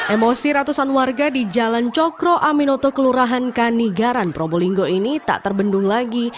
emosi ratusan warga di jalan cokro aminoto kelurahan kanigaran probolinggo ini tak terbendung lagi